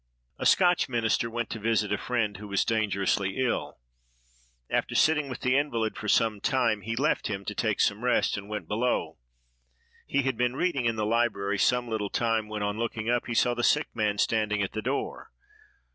A Scotch minister went to visit a friend who was dangerously ill. After sitting with the invalid for some time, he left him to take some rest, and went below. He had been reading in the library some little time, when, on looking up, he saw the sick man standing at the door.